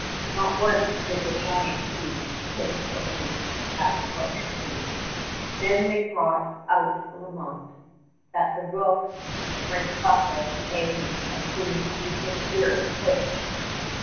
Not once did the giant priest flinch or writhe at the torture stake. Then they brought out Lalemant, that Brébeuf might suffer the agony of seeing a weaker spirit flinch.